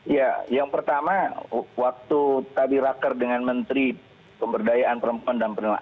ya yang pertama waktu tadi raker dengan menteri pemberdayaan perempuan dan perempuan